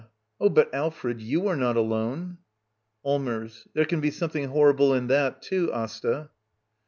Oh, but, Alfred, you are not alone. V^LLMERS. There can be something horrible in that, too, Asta.